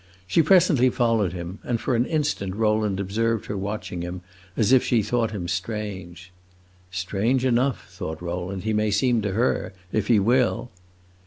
She presently followed him, and for an instant Rowland observed her watching him as if she thought him strange. "Strange enough," thought Rowland, "he may seem to her, if he will!"